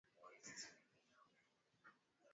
kubwa za Urusi huwa na vipindi vya majira tofauti sana